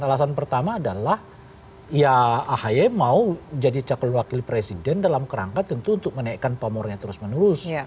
alasan pertama adalah ya ahy mau jadi calon wakil presiden dalam kerangka tentu untuk menaikkan pamornya terus menerus